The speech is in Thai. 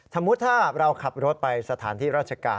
สมมุติถ้าเราขับรถไปสถานที่ราชการ